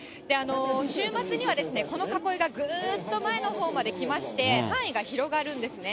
週末にはこの囲いがぐっと前のほうまで来まして、範囲が広がるんですね。